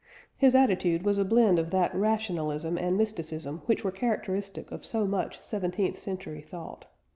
His attitude was a blend of that rationalism and mysticism which were characteristic of so much seventeenth century thought.